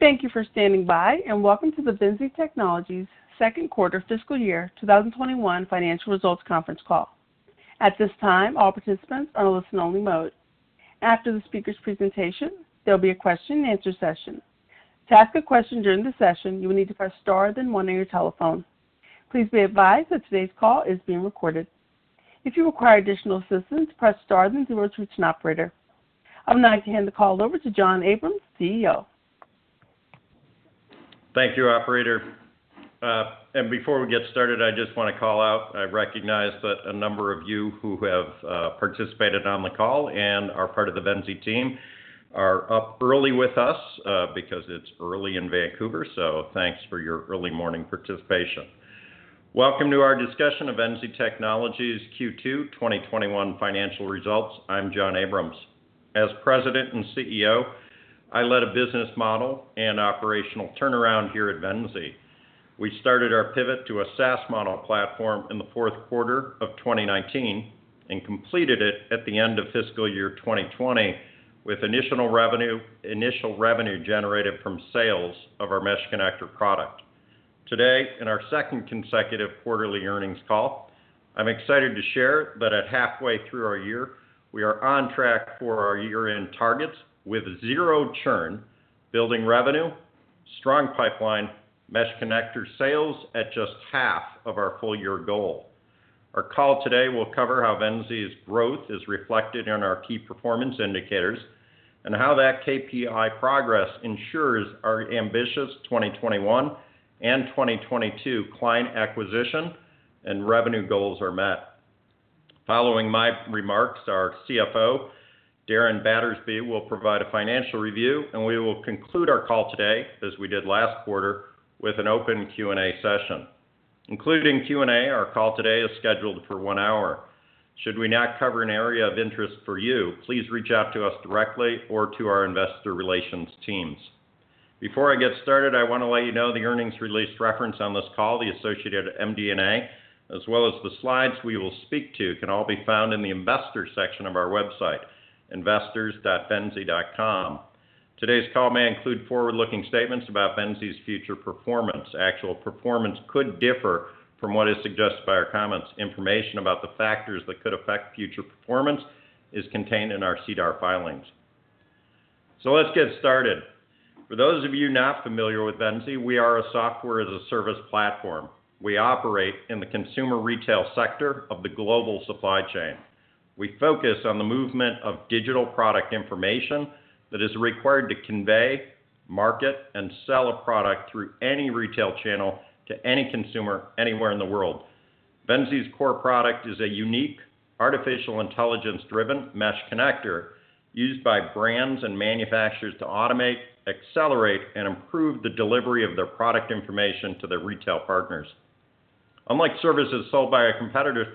Thank you for standing by, and welcome to the Venzee Technologies second quarter fiscal year 2021 financial results conference call. At this time, all participants are in listen only mode. After the speaker's presentation, there'll be a question and answer session. To ask a question during the session, you will need to press star then one on your telephone. Please be advised that today's call is being recorded. If you require additional assistance, press star then zero to reach an operator. I would now like to hand the call over to John Abrams, CEO. Thank you, operator. Before we get started, I just want to call out, I recognize that a number of you who have participated on the call and are part of the Venzee team are up early with us, because it's early in Vancouver, so thanks for your early morning participation. Welcome to our discussion of Venzee Technologies' Q2 2021 financial results. I'm John Abrams. As President and CEO, I led a business model and operational turnaround here at Venzee. We started our pivot to a SaaS model platform in the fourth quarter of 2019, and completed it at the end of fiscal year 2020, with initial revenue generated from sales of our Mesh Connector product. Today, in our second consecutive quarterly earnings call, I am excited to share that at halfway through our year, we are on track for our year-end targets with 0 churn, building revenue, strong pipeline, Mesh Connector sales at just half of our full year goal. Our call today will cover how Venzee's growth is reflected in our key performance indicators, and how that KPI progress ensures our ambitious 2021 and 2022 client acquisition and revenue goals are met. Following my remarks, our CFO, Darren Battersby, will provide a financial review. We will conclude our call today, as we did last quarter, with an open Q&A session. Including Q&A, our call today is scheduled for one hour. Should we not cover an area of interest for you, please reach out to us directly or to our investor relations teams. Before I get started, I want to let you know the earnings release reference on this call, the associated MD&A, as well as the slides we will speak to can all be found in the investors section of our website, investors.venzee.com. Today's call may include forward-looking statements about Venzee's future performance. Actual performance could differ from what is suggested by our comments. Information about the factors that could affect future performance is contained in our SEDAR filings. Let's get started. For those of you not familiar with Venzee, we are a software as a service platform. We operate in the consumer retail sector of the global supply chain. We focus on the movement of digital product information that is required to convey, market, and sell a product through any retail channel to any consumer anywhere in the world. Venzee's core product is a unique artificial intelligence-driven Mesh Connector used by brands and manufacturers to automate, accelerate, and improve the delivery of their product information to their retail partners. Unlike services sold by our competitors,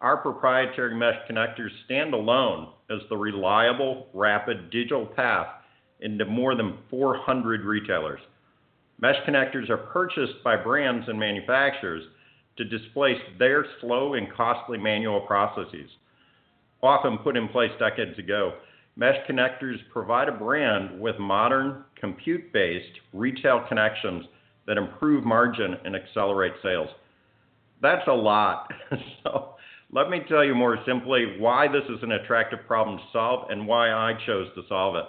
our proprietary Mesh Connectors stand alone as the reliable, rapid digital path into more than 400 retailers. Mesh Connectors are purchased by brands and manufacturers to displace their slow and costly manual processes, often put in place decades ago. Mesh Connectors provide a brand with modern, compute-based retail connections that improve margin and accelerate sales. That's a lot, so let me tell you more simply why this is an attractive problem to solve and why I chose to solve it.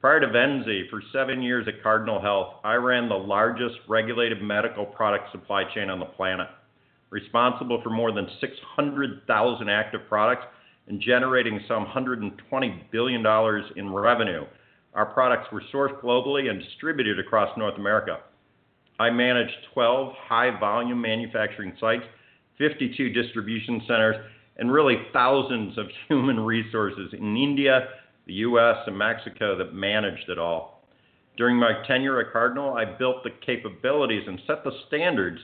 Prior to Venzee, for seven years at Cardinal Health, I ran the largest regulated medical product supply chain on the planet, responsible for more than 600,000 active products and generating some $120 billion in revenue. Our products were sourced globally and distributed across North America. I managed 12 high-volume manufacturing sites, 52 distribution centers, and really thousands of human resources in India, the U.S., and Mexico that managed it all. During my tenure at Cardinal, I built the capabilities and set the standards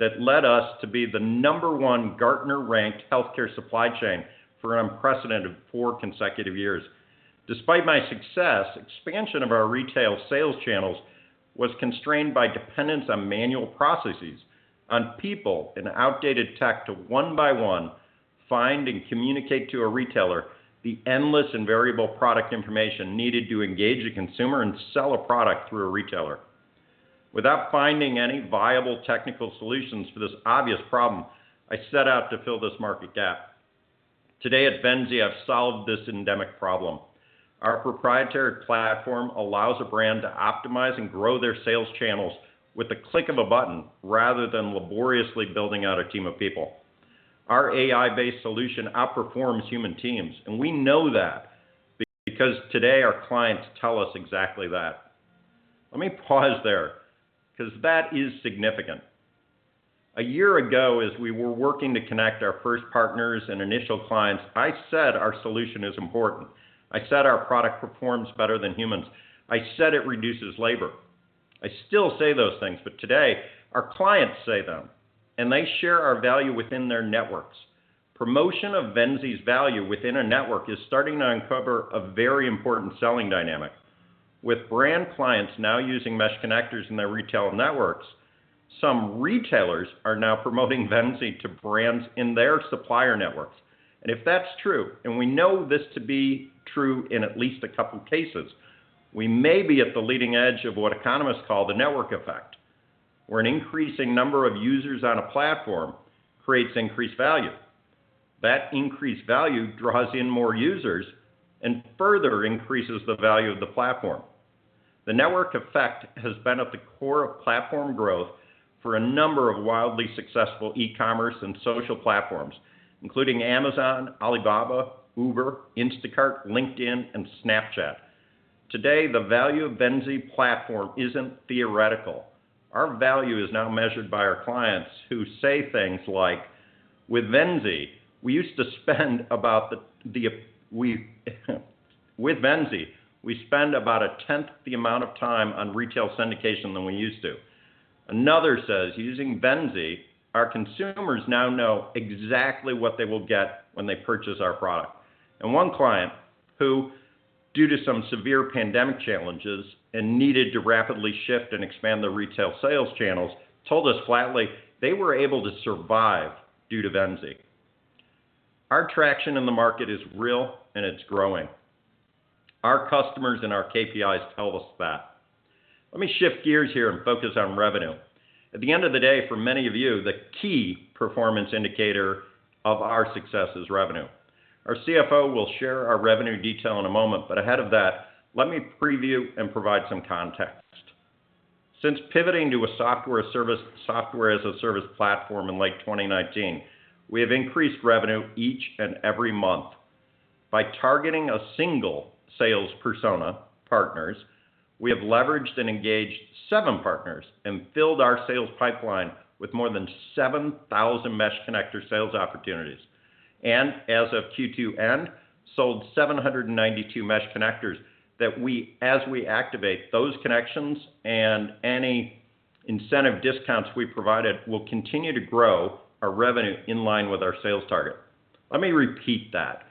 that led us to be the number one Gartner-ranked healthcare supply chain for an unprecedented four consecutive years. Despite my success, expansion of our retail sales channels was constrained by dependence on manual processes, on people, and outdated tech to one by one find and communicate to a retailer the endless and variable product information needed to engage a consumer and sell a product through a retailer. Without finding any viable technical solutions for this obvious problem, I set out to fill this market gap. Today at Venzee, I've solved this endemic problem. Our proprietary platform allows a brand to optimize and grow their sales channels with the click of a button, rather than laboriously building out a team of people. Our AI-based solution outperforms human teams, and we know that because today our clients tell us exactly that. Let me pause there, because that is significant. A year ago, as we were working to connect our first partners and initial clients, I said our solution is important. I said our product performs better than humans. I said it reduces labor. I still say those things, but today our clients say them, and they share our value within their networks. Promotion of Venzee's value within a network is starting to uncover a very important selling dynamic. With brand clients now using Mesh Connectors in their retail networks. Some retailers are now promoting Venzee to brands in their supplier networks. If that's true, and we know this to be true in at least a couple cases, we may be at the leading edge of what economists call the network effect, where an increasing number of users on a platform creates increased value. That increased value draws in more users and further increases the value of the platform. The network effect has been at the core of platform growth for a number of wildly successful e-commerce and social platforms, including Amazon, Alibaba, Uber, Instacart, LinkedIn, and Snapchat. Today, the value of Venzee platform isn't theoretical. Our value is now measured by our clients who say things like, "With Venzee, we spend about a 10th the amount of time on retail syndication than we used to." Another says, "Using Venzee, our consumers now know exactly what they will get when they purchase our product." One client who, due to some severe pandemic challenges and needed to rapidly shift and expand their retail sales channels, told us flatly they were able to survive due to Venzee. Our traction in the market is real, and it's growing. Our customers and our KPIs tell us that. Let me shift gears here and focus on revenue. At the end of the day, for many of you, the key performance indicator of our success is revenue. Our CFO will share our revenue detail in a moment, but ahead of that, let me preview and provide some context. Since pivoting to a Software as a Service platform in late 2019, we have increased revenue each and every month. By targeting a single sales persona, partners, we have leveraged and engaged seven partners and filled our sales pipeline with more than 7,000 Mesh Connector sales opportunities. As of Q2 end, sold 792 Mesh Connectors that as we activate those connections and any incentive discounts we provided, will continue to grow our revenue in line with our sales target. Let me repeat that.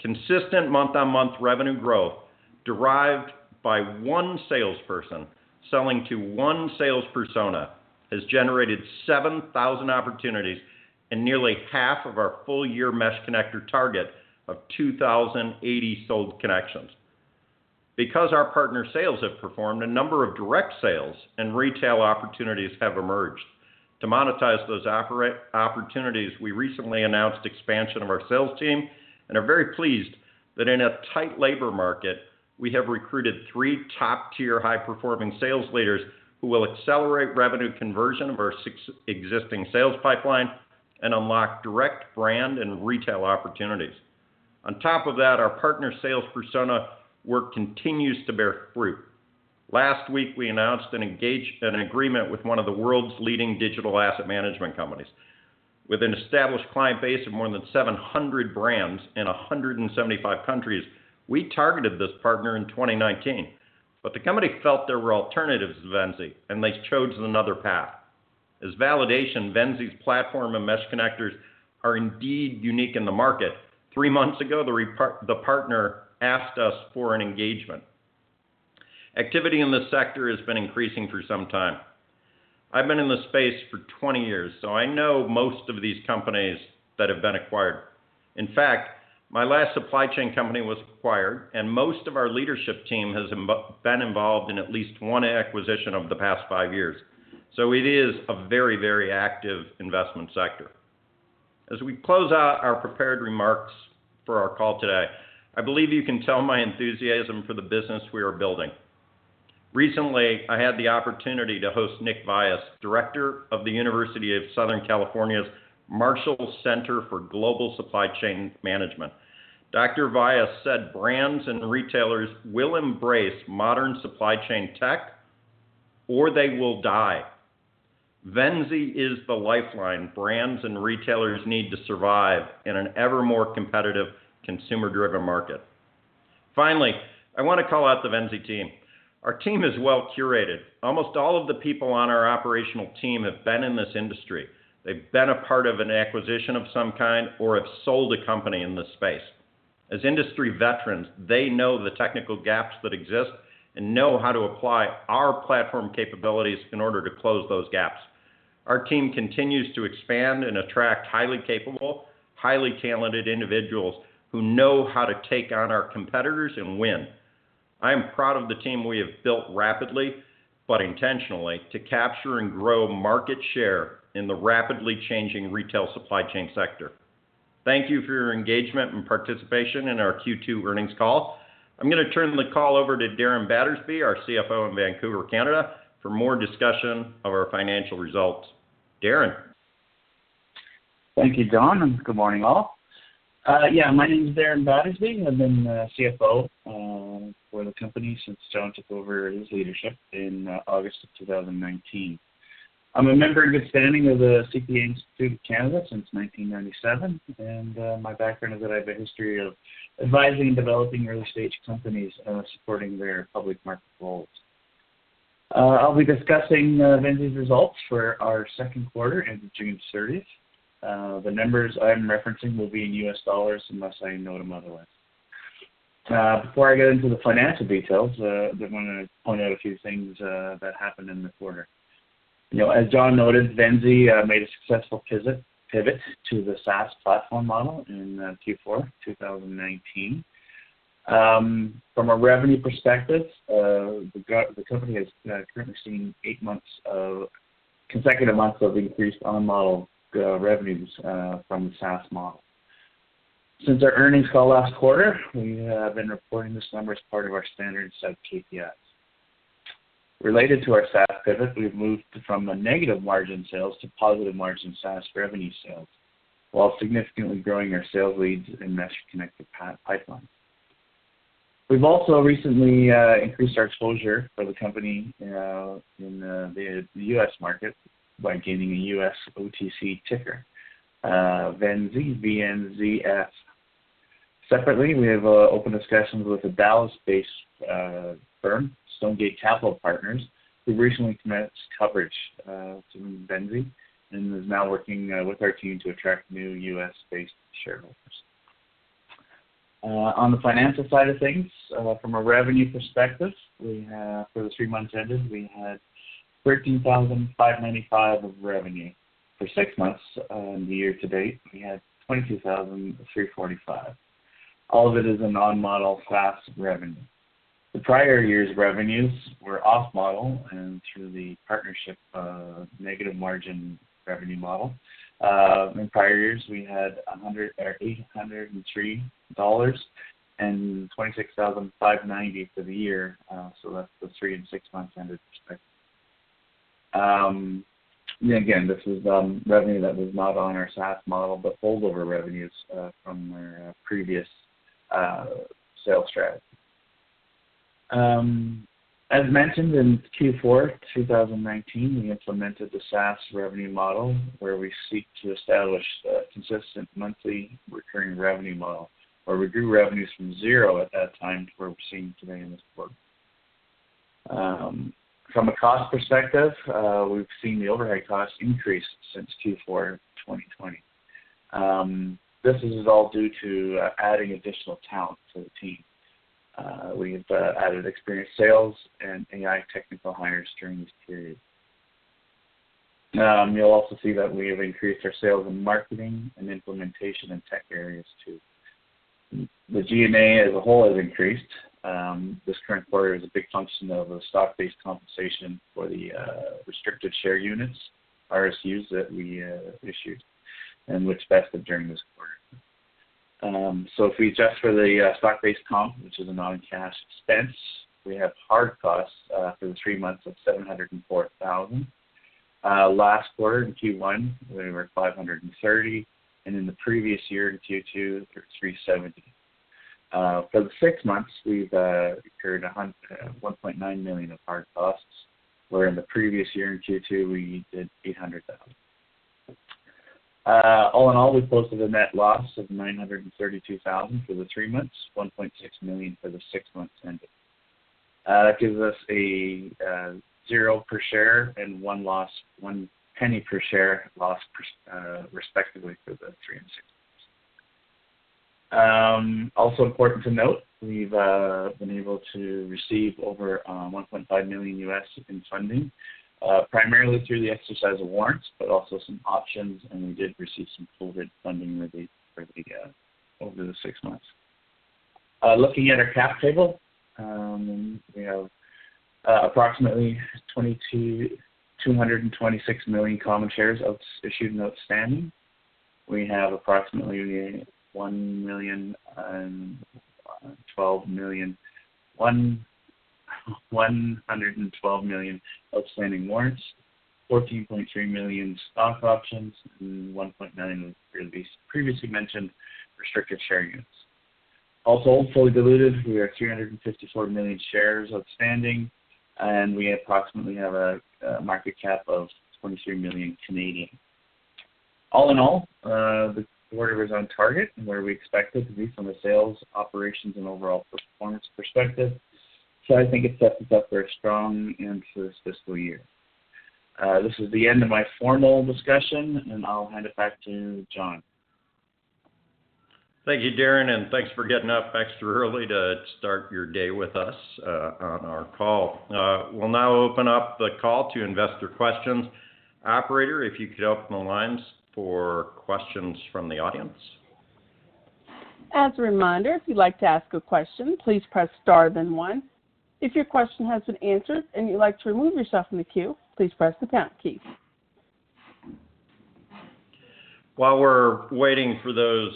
Consistent month-on-month revenue growth derived by one salesperson selling to one sales persona has generated 7,000 opportunities and nearly half of our full-year Mesh Connector target of 2,080 sold connections. Because our partner sales have performed, a number of direct sales and retail opportunities have emerged. To monetize those opportunities, we recently announced expansion of our sales team and are very pleased that in a tight labor market, we have recruited three top-tier high-performing sales leaders who will accelerate revenue conversion of our existing sales pipeline and unlock direct brand and retail opportunities. On top of that, our partner sales persona work continues to bear fruit. Last week, we announced an agreement with one of the world's leading digital asset management companies. With an established client base of more than 700 brands in 175 countries, we targeted this partner in 2019. The company felt there were alternatives to Venzee, and they chose another path. As validation, Venzee's platform and Mesh Connectors are indeed unique in the market. Three months ago, the partner asked us for an engagement. Activity in this sector has been increasing for some time. I've been in the space for 20 years, so I know most of these companies that have been acquired. In fact, my last supply chain company was acquired, and most of our leadership team has been involved in at least one acquisition over the past five years. It is a very active investment sector. As we close out our prepared remarks for our call today, I believe you can tell my enthusiasm for the business we are building. Recently, I had the opportunity to host Nick Vyas, Director of the University of Southern California's Marshall Center for Global Supply Chain Management. Dr. Vyas said brands and retailers will embrace modern supply chain tech, or they will die. Venzee is the lifeline brands and retailers need to survive in an ever more competitive consumer-driven market. Finally, I want to call out the Venzee team. Our team is well-curated. Almost all of the people on our operational team have been in this industry. They've been a part of an acquisition of some kind or have sold a company in this space. As industry veterans, they know the technical gaps that exist and know how to apply our platform capabilities in order to close those gaps. Our team continues to expand and attract highly capable, highly talented individuals who know how to take on our competitors and win. I am proud of the team we have built rapidly but intentionally to capture and grow market share in the rapidly changing retail supply chain sector. Thank you for your engagement and participation in our Q2 earnings call. I'm going to turn the call over to Darren Battersby, our CFO in Vancouver, Canada, for more discussion of our financial results. Darren? Thank you, John, and good morning, all. Yeah, my name is Darren Battersby. I've been CFO for the company since John took over his leadership in August of 2019. I'm a member in good standing of the CPA Canada since 1997, and my background is that I have a history of advising and developing early-stage companies, supporting their public market goals. I'll be discussing Venzee's results for our second quarter ending June 30th. The numbers I'm referencing will be in U.S. dollars unless I note them otherwise. Before I get into the financial details, I did want to point out a few things that happened in the quarter. As John noted, Venzee made a successful pivot to the SaaS platform model in Q4 2019. From a revenue perspective, the company has currently seen eight months of consecutive months of increased on-model revenues from the SaaS model. Since our earnings call last quarter, we have been reporting this number as part of our standard set of KPIs. Related to our SaaS pivot, we've moved from the negative margin sales to positive margin SaaS revenue sales, while significantly growing our sales leads and mesh connected pipeline. We've also recently increased our exposure for the company in the U.S. market by gaining a U.S. OTC ticker, Venzee, VNZF. Separately, we have opened discussions with a Dallas-based firm, Stonegate Capital Partners, who recently commenced coverage to Venzee and is now working with our team to attract new U.S.-based shareholders. On the financial side of things, from a revenue perspective, for the three months ended, we had $13,595 of revenue. For six months in the year to date, we had $22,345. All of it is a non-model SaaS revenue. The prior year's revenues were off-model and through the partnership negative margin revenue model. In prior years, we had $803 and $26,590 for the year, so that's the three and six months ended perspective. Again, this was revenue that was not on our SaaS model, but holdover revenues from our previous sales strategy. As mentioned in Q4 2019, we implemented the SaaS revenue model, where we seek to establish a consistent monthly recurring revenue model, where we grew revenues from zero at that time to where we're seeing today in this quarter. From a cost perspective, we've seen the overhead costs increase since Q4 2020. This is all due to adding additional talent to the team. We've added experienced sales and AI technical hires during this period. You'll also see that we have increased our sales and marketing and implementation in tech areas, too. The G&A as a whole has increased. This current quarter is a big function of a stock-based compensation for the restricted share units, RSUs, that we issued and which vested during this quarter. If we adjust for the stock-based comp, which is a non-cash expense, we have hard costs for the three months of $704,000. Last quarter, in Q1, we were $530, and in the previous year, in Q2, $370. For the six months, we've incurred $1.9 million of hard costs, where in the previous year, in Q2, we did $800,000. All in all, we posted a net loss of $932,000 for the three months, $1.6 million for the six months ended. That gives us a zero per share and $0.01 per share loss, respectively, for the three and six months. Important to note, we've been able to receive over $1.5 million USD in funding, primarily through the exercise of warrants, but also some options, and we did receive some full funding release over the six months. Looking at our cap table, we have approximately 226 million common shares issued and outstanding. We have approximately 112 million outstanding warrants, 14.3 million stock options, and 1.9 million of the previously mentioned restricted share units. Fully diluted, we are 354 million shares outstanding, and we approximately have a market cap of 23 million. The quarter was on target and where we expected to be from a sales, operations, and overall performance perspective. I think it sets us up for a strong end to this fiscal year. This is the end of my formal discussion, and I'll hand it back to John. Thank you, Darren, and thanks for getting up extra early to start your day with us on our call. We'll now open up the call to investor questions. Operator, if you could open the lines for questions from the audience. As a reminder, if you'd like to ask a question, please press star then one. If your question has been answered and you'd like to remove yourself from the queue, please press the pound key. While we're waiting for those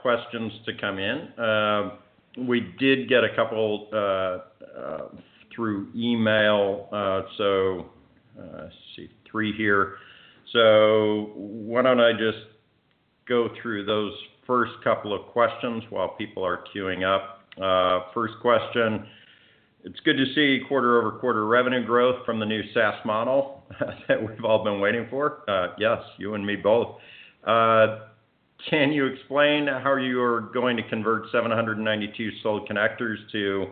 questions to come in, we did get a couple through email. I see three here. Why don't I just go through those first couple of questions while people are queuing up. First question, it's good to see quarter-over-quarter revenue growth from the new SaaS model that we've all been waiting for. Yes, you and me both. Can you explain how you're going to convert 792 sold connectors to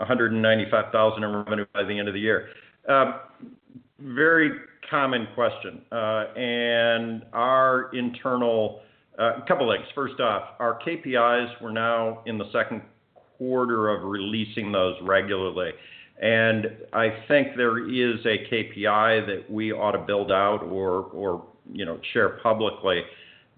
$195,000 in revenue by the end of the year? Very common question. A couple things. First off, our KPIs, we're now in the second quarter of releasing those regularly, and I think there is a KPI that we ought to build out or share publicly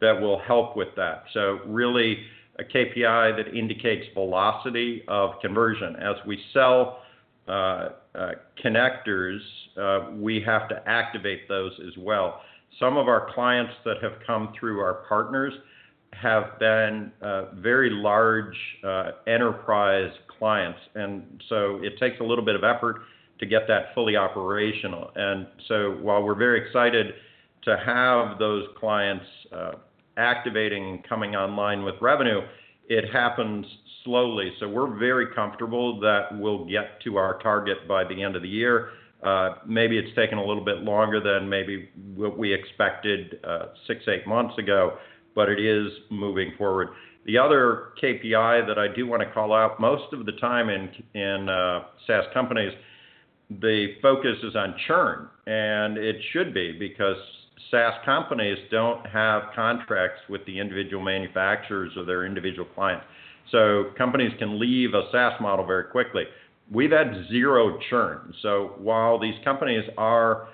that will help with that. Really, a KPI that indicates velocity of conversion. As we sell connectors, we have to activate those as well. Some of our clients that have come through our partners have been very large enterprise clients. It takes a little bit of effort to get that fully operational. While we're very excited to have those clients activating and coming online with revenue, it happens slowly. We're very comfortable that we'll get to our target by the end of the year. Maybe it's taken a little bit longer than maybe what we expected six, eight months ago. It is moving forward. The other KPI that I do want to call out, most of the time in SaaS companies, the focus is on churn. It should be because SaaS companies don't have contracts with the individual manufacturers or their individual clients. Companies can leave a SaaS model very quickly. We've had zero churn. While these companies are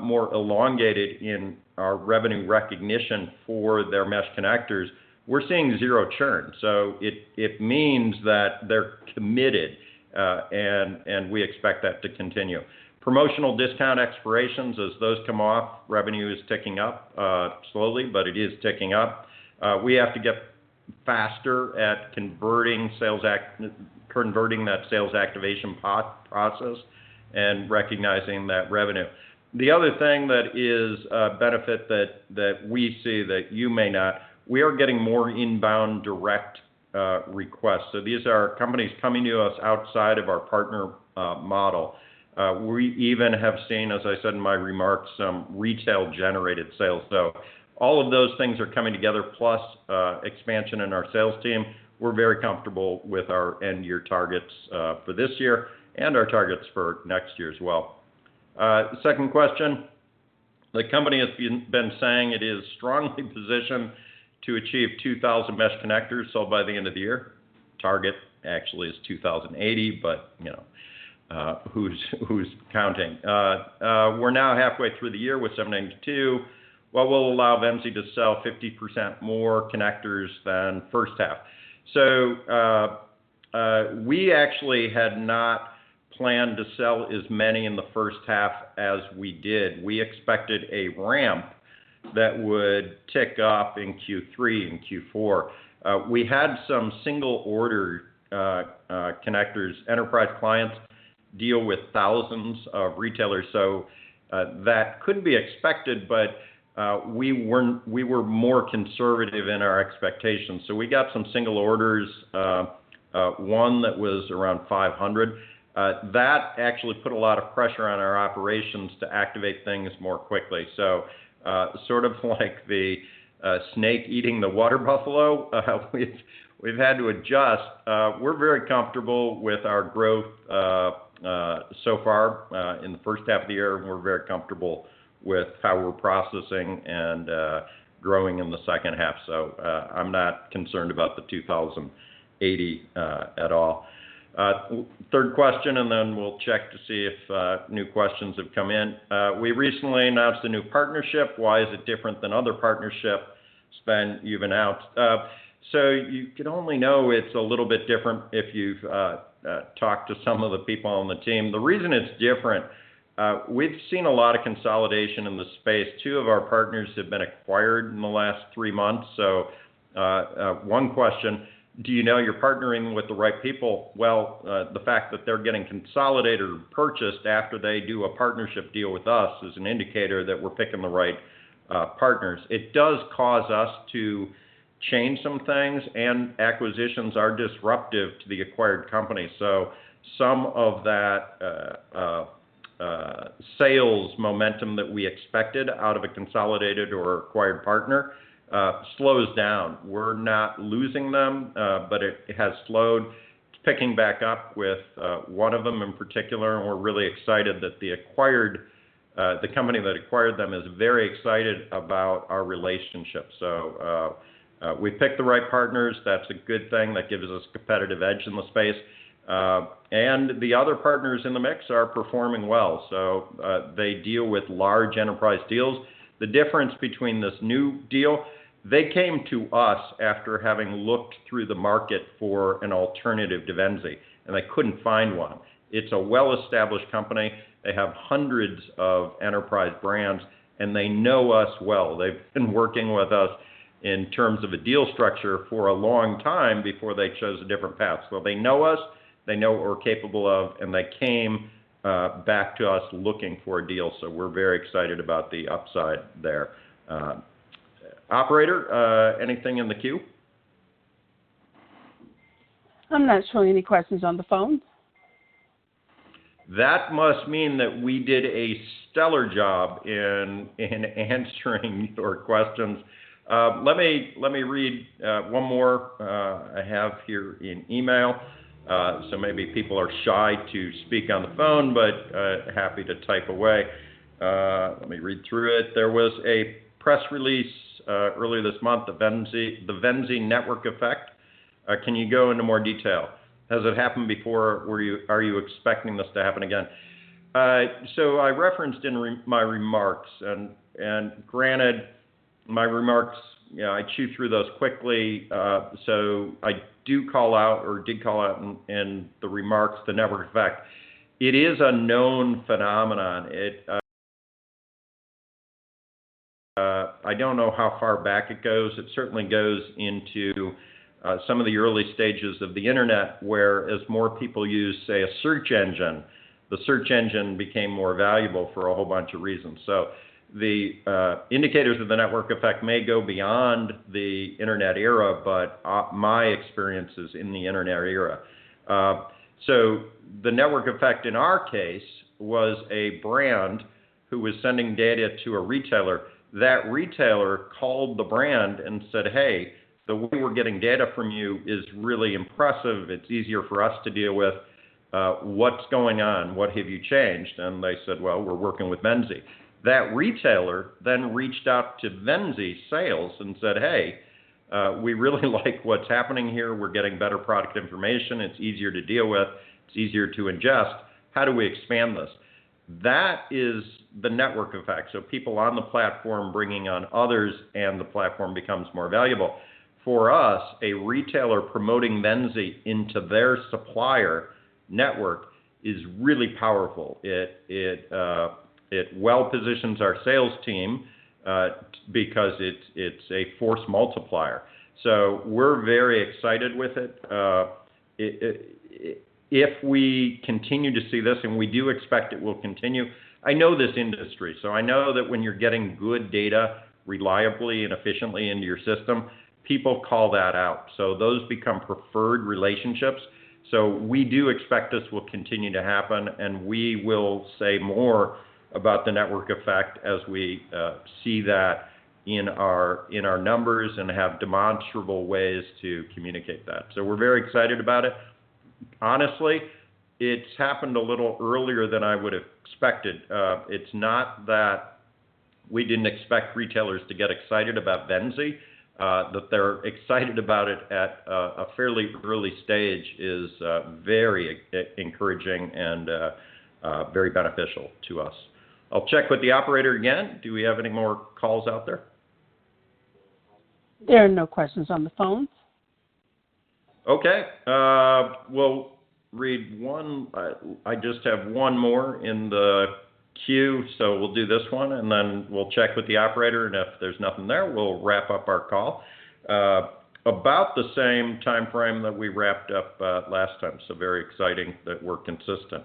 more elongated in our revenue recognition for their Mesh Connectors, we're seeing zero churn. It means that they're committed, and we expect that to continue. Promotional discount expirations, as those come off, revenue is ticking up, slowly, but it is ticking up. We have to get faster at converting that sales activation process and recognizing that revenue. The other thing that is a benefit that we see that you may not, we are getting more inbound direct requests. These are companies coming to us outside of our partner model. We even have seen, as I said in my remarks, some retail-generated sales. All of those things are coming together, plus expansion in our sales team. We're very comfortable with our end-year targets for this year and our targets for next year as well. Second question, the company has been saying it is strongly positioned to achieve 2,000 Mesh Connectors sold by the end of the year. Target actually is 2,080, but who's counting? We are now halfway through the year with 792. What will allow Venzee to sell 50% more connectors than first half? We actually had not planned to sell as many in the first half as we did. We expected a ramp that would tick up in Q3 and Q4. We had some single-order connectors. Enterprise clients deal with thousands of retailers, so that could be expected, but we were more conservative in our expectations. We got some single orders, one that was around 500. That actually put a lot of pressure on our operations to activate things more quickly. Sort of like the snake eating the water buffalo, we have had to adjust. We're very comfortable with our growth so far in the first half of the year, and we're very comfortable with how we're processing and growing in the second half. I'm not concerned about the 2,080 at all. Third question. Then we'll check to see if new questions have come in. We recently announced a new partnership. Why is it different than other partnership spend you've announced? You can only know it's a little bit different if you've talked to some of the people on the team. The reason it's different. We've seen a lot of consolidation in the space. Two of our partners have been acquired in the last three months. One question, do you know you're partnering with the right people? The fact that they're getting consolidated or purchased after they do a partnership deal with us is an indicator that we're picking the right partners. It does cause us to change some things, and acquisitions are disruptive to the acquired company. Some of that sales momentum that we expected out of a consolidated or acquired partner slows down. We're not losing them, but it has slowed. It's picking back up with one of them in particular, and we're really excited that the company that acquired them is very excited about our relationship. We picked the right partners. That's a good thing. That gives us a competitive edge in the space. The other partners in the mix are performing well. They deal with large enterprise deals. The difference between this new deal, they came to us after having looked through the market for an alternative to Venzee, and they couldn't find one. It's a well-established company. They have hundreds of enterprise brands, and they know us well. They've been working with us in terms of a deal structure for a long time before they chose a different path. They know us, they know what we're capable of, and they came back to us looking for a deal. We're very excited about the upside there. Operator, anything in the queue? I'm not showing any questions on the phone. That must mean that we did a stellar job in answering your questions. Let me read one more I have here in email. Maybe people are shy to speak on the phone, but happy to type away. Let me read through it. "There was a press release, earlier this month, the Venzee Network Effect. Can you go into more detail? Has it happened before? Are you expecting this to happen again?" I referenced in my remarks, and granted, my remarks, I chewed through those quickly, so I do call out, or did call out in the remarks, the network effect. It is a known phenomenon. I don't know how far back it goes. It certainly goes into some of the early stages of the internet, where as more people use, say, a search engine, the search engine became more valuable for a whole bunch of reasons. The indicators of the network effect may go beyond the internet era, but my experience is in the internet era. The network effect in our case was a brand who was sending data to a retailer. That retailer called the brand and said, "Hey, the way we're getting data from you is really impressive. It's easier for us to deal with. What's going on? What have you changed?" They said, "Well, we're working with Venzee." That retailer then reached out to Venzee sales and said, "Hey, we really like what's happening here. We're getting better product information. It's easier to deal with. It's easier to adjust. How do we expand this?" That is the network effect. People on the platform bringing on others, and the platform becomes more valuable. For us, a retailer promoting Venzee into their supplier network is really powerful. It well positions our sales team, because it's a force multiplier. We're very excited with it. If we continue to see this, and we do expect it will continue, I know this industry, I know that when you're getting good data reliably and efficiently into your system, people call that out. Those become preferred relationships. We do expect this will continue to happen, and we will say more about the network effect as we see that in our numbers and have demonstrable ways to communicate that. We're very excited about it. Honestly, it's happened a little earlier than I would've expected. It's not that we didn't expect retailers to get excited about Venzee. That they're excited about it at a fairly early stage is very encouraging and very beneficial to us. I'll check with the operator again. Do we have any more calls out there? There are no questions on the phone. Okay. We'll read one. I just have one more in the queue, so we'll do this one, and then we'll check with the operator, and if there's nothing there, we'll wrap up our call. About the same timeframe that we wrapped up last time. Very exciting that we're consistent.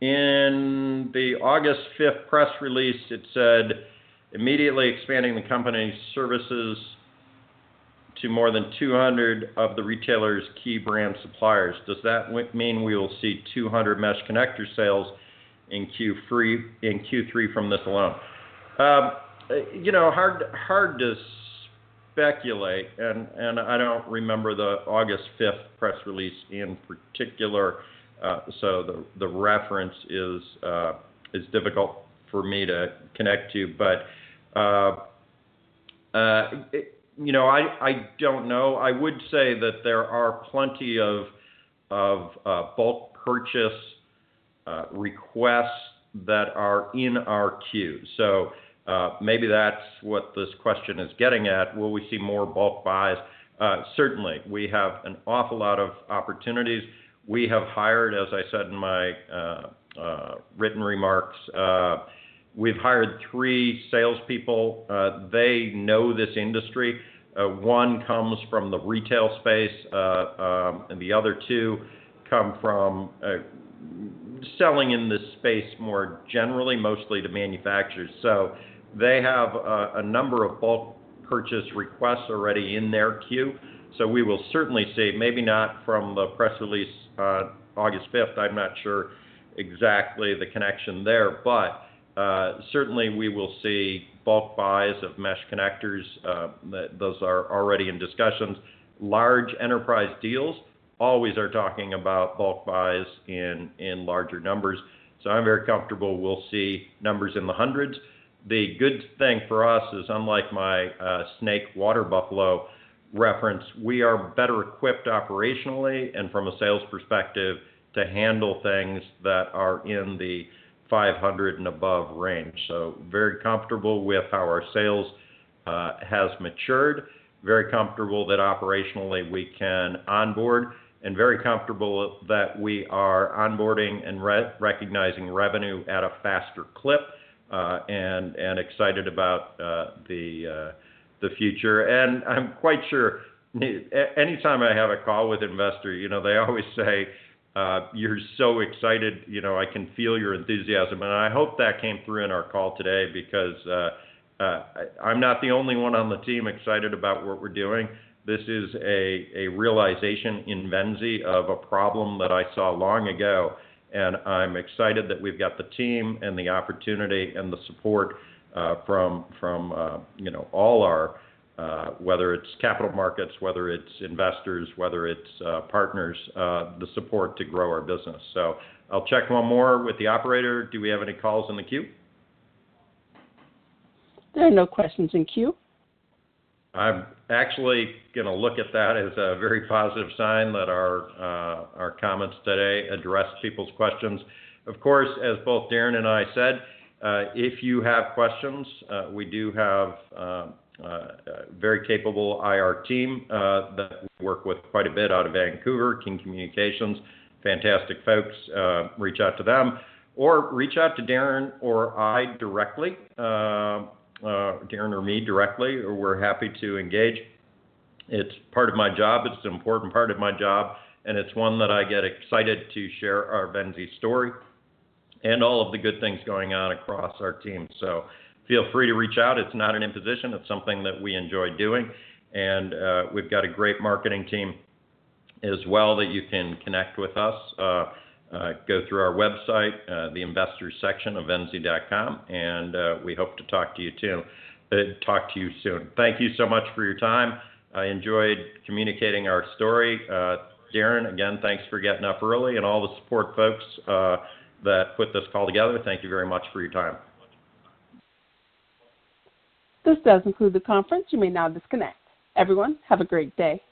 "In the August 5th press release, it said, 'Immediately expanding the company's services to more than 200 of the retailer's key brand suppliers.' Does that mean we will see 200 Mesh Connector sales in Q3 from this alone?" Hard to speculate. I don't remember the August 5th press release in particular. The reference is difficult for me to connect to. I don't know. I would say that there are plenty of bulk purchase requests that are in our queue. Maybe that's what this question is getting at. Will we see more bulk buys? Certainly. We have an awful lot of opportunities. We have hired, as I said in my written remarks, we've hired three salespeople. They know this industry. One comes from the retail space, and the other two come from selling in this space more generally, mostly to manufacturers. They have a number of bulk purchase requests already in their queue, so we will certainly see, maybe not from the press release on August 5th, I'm not sure exactly the connection there, but certainly we will see bulk buys of Mesh Connectors. Those are already in discussions. Large enterprise deals always are talking about bulk buys in larger numbers, so I'm very comfortable we'll see numbers in the hundreds. The good thing for us is, unlike my snake water buffalo reference, we are better equipped operationally and from a sales perspective to handle things that are in the 500 and above range. Very comfortable with how our sales has matured, very comfortable that operationally we can onboard, very comfortable that we are onboarding and recognizing revenue at a faster clip, excited about the future. I'm quite sure anytime I have a call with investor, they always say, "You're so excited. I can feel your enthusiasm." I hope that came through in our call today because, I'm not the only one on the team excited about what we're doing. This is a realization in Venzee of a problem that I saw long ago, I'm excited that we've got the team and the opportunity and the support from all our, whether it's capital markets, whether it's investors, whether it's partners, the support to grow our business. I'll check one more with the operator. Do we have any calls in the queue? There are no questions in queue. I'm actually going to look at that as a very positive sign that our comments today addressed people's questions. Of course, as both Darren and I said, if you have questions, we do have a very capable IR team that we work with quite a bit out of Vancouver, Kin Communications, fantastic folks, reach out to them or reach out to Darren or I directly, Darren or me directly, we're happy to engage. It's part of my job, it's an important part of my job, and it's one that I get excited to share our Venzee story and all of the good things going on across our team. Feel free to reach out. It's not an imposition. It's something that we enjoy doing. We've got a great marketing team as well that you can connect with us. Go through our website, the investors section of venzee.com, and we hope to talk to you soon. Thank you so much for your time. I enjoyed communicating our story. Darren, again, thanks for getting up early, and all the support folks that put this call together, thank you very much for your time. This does conclude the conference. You may now disconnect. Everyone, have a great day.